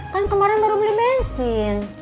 kan kemarin baru beli bensin